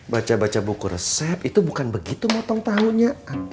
baca baca buku resep itu bukan begitu motong tahunya